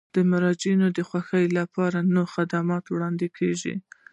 د مراجعینو د خوښۍ لپاره نوي خدمات وړاندې کیږي.